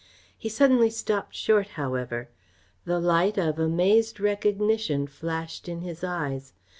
He suddenly stopped short, however. The light of amazed recognition flashed in his eyes.